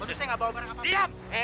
aduh lu selesai gak bawa barang apa apa